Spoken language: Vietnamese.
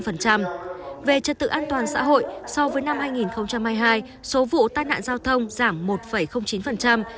về trật tự an toàn xã hội so với năm hai nghìn hai mươi hai số vụ tai nạn giao thông giảm một chín